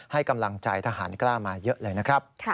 ให้กำลังใจทหารกล้ามาเยอะเลยนะครับ